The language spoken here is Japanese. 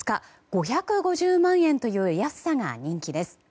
５５０万円という安さが人気です。